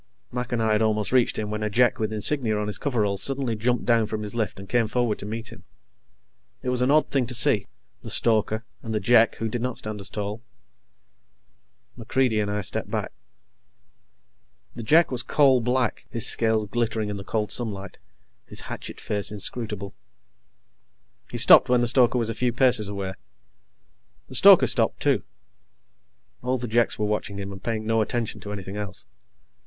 Mac and I had almost reached him when a Jek with insignia on his coveralls suddenly jumped down from his lift and came forward to meet him. It was an odd thing to see the stoker, and the Jek, who did not stand as tall. MacReidie and I stepped back. The Jek was coal black, his scales glittering in the cold sunlight, his hatchet face inscrutable. He stopped when the stoker was a few paces away. The stoker stopped, too. All the Jeks were watching him and paying no attention to anything else.